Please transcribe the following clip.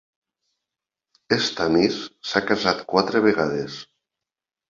Stanis s'ha casat quatre vegades.